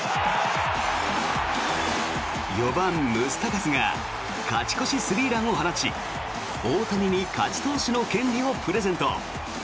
４番、ムスタカスが勝ち越しスリーランを放ち大谷に勝ち投手の権利をプレゼント。